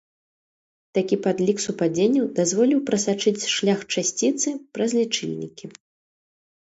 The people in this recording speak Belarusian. Такі падлік супадзенняў дазволіў прасачыць шлях часціцы праз лічыльнікі.